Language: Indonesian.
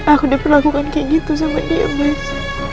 aku diperlakukan kayak gitu sama dia mas